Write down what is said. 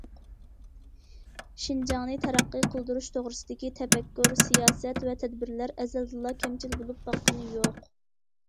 شىنجاڭنى تەرەققىي قىلدۇرۇش توغرىسىدىكى تەپەككۇر، سىياسەت ۋە تەدبىرلەر ئەزەلدىنلا كەمچىل بولۇپ باققىنى يوق.